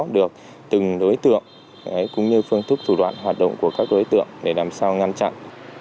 được từng đối tượng cũng như phương thức thủ đoạn hoạt động của các đối tượng để làm sao ngăn chặn